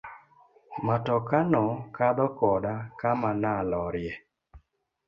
Matoka no kadho koda kama na lorie.